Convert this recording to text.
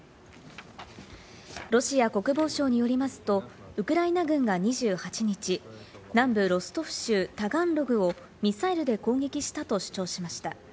ロシア国防省によりますと、ウクライナ軍が２８日、南部ロストフ州タガンログをミサイルで攻撃したと主張しました。